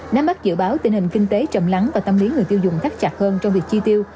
nắm bắt dự báo tình hình kinh tế trầm lắng và tâm lý người tiêu dùng thắt chặt hơn trong việc chi tiêu